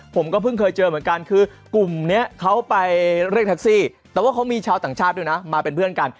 ผมก็เพิ่งเคยเจอเหมือนกันคือกลุ่มนี้เขาไปเรียกแท็กซี่แต่ว่าเขามีชาวต่างชาติด้วยนะมาเป็นเพื่อนกัน